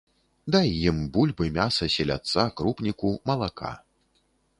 Дай ім бульбы, мяса, селядца, крупніку, малака.